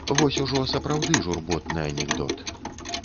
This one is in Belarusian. Вось ужо сапраўды журботны анекдот.